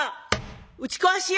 「打ち壊しや！」。